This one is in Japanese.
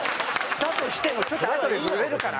だとしてもちょっとあとで触れるから。